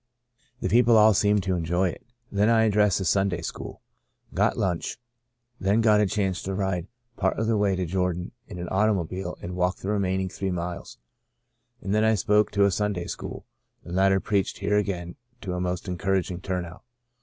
The people all seemed to enjoy it. Then I addressed the Sunday school. Got lunch. Then got a chance to ride part of the way to Jordan in an automobile and walked the remaining three miles, and then I spoke to a Sunday school, and later preached here again to a most encouraging turn out.